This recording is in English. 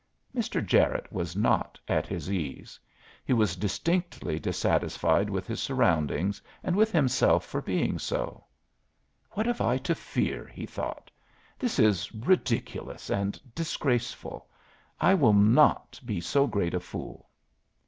Mr. Jarette was not at his ease; he was distinctly dissatisfied with his surroundings, and with himself for being so. "What have I to fear?" he thought. "This is ridiculous and disgraceful; I will not be so great a fool."